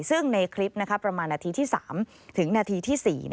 ซึ่งในคลิปประมาณนาทีที่๓ถึงนาทีที่๔